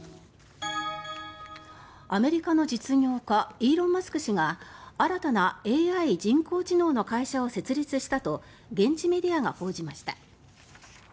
アメリカの実業家イーロン・マスク氏が新たなＡＩ・人工知能の会社を設立したと現地メディアが報じました。